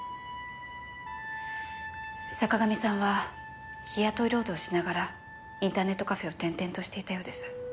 坂上さんは日雇い労働をしながらインターネットカフェを転々としていたようです。